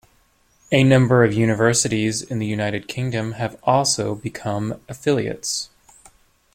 A number of universities in the United Kingdom have also become affiliates.